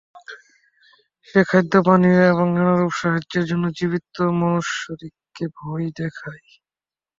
সে খাদ্য, পানীয় এবং নানারূপ সাহায্যের জন্য জীবিত মনুষ্যদিগকে ভয় দেখায়।